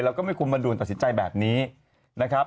แล้วก็ไม่คุมมาดูนตัดสินใจแบบนี้นะครับ